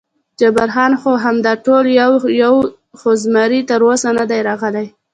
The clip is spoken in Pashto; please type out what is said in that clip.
جبار خان: هو، همدا ټول یو، خو زمري تراوسه نه دی راغلی.